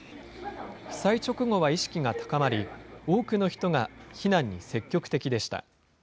被災直後は意識が高まり、多くの人が避難に積極的でした。